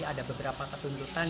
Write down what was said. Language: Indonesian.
ada beberapa ketuntutan